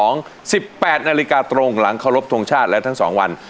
๑๘นาฬิกาตรงหลังเคารพทงชาติและทั้ง๒วัน